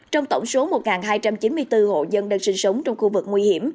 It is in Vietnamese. trong tổng số một hai trăm chín mươi bốn hộ dân đang sinh sống trong khu vực nguy hiểm